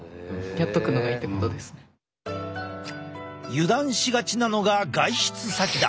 油断しがちなのが外出先だ！